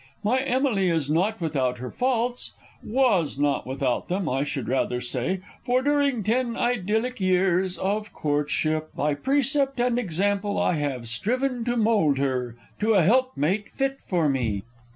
My Emily is not without her faults "Was not without them," I should rather say, For during ten idyllic years of courtship, [Illustration: "It is a Pin!"] By precept and example I have striven To mould her to a helpmate fit for me.